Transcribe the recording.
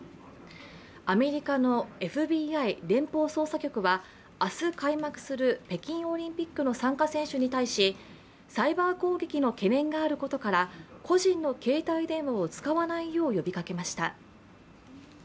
アメリカのＦＢＩ＝連邦捜査局は明日開幕する北京オリンピックの参加選手に対しサイバー攻撃の懸念があることから、個人の携帯電話を使わないよう呼びかけました。